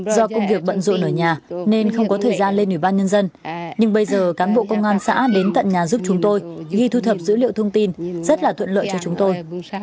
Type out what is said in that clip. do công việc bận rộn ở nhà nên không có thời gian lên ủy ban nhân dân nhưng bây giờ cán bộ công an xã đến tận nhà giúp chúng tôi ghi thu thập dữ liệu thông tin rất là thuận lợi cho chúng tôi